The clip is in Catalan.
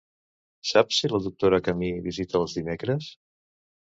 Saps si la doctora Camí visita els dimecres?